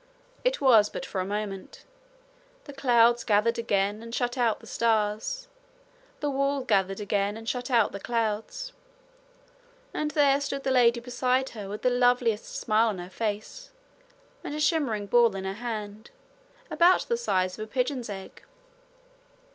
It was but for a moment. The clouds gathered again and shut out the stars; the wall gathered again and shut out the clouds; and there stood the lady beside her with the loveliest smile on her face, and a shimmering ball in her hand, about the size of a pigeon's egg.